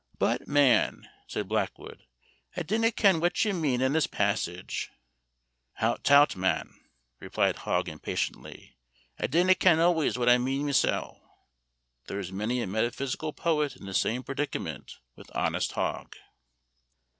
"But, man," said Blackwood, "I dinna ken what ye mean in this passage." "Hout tout, man," replied Hogg, impatiently, "I dinna ken always what I mean mysel." There is many a metaphysical poet in the same predicament with honest Hogg.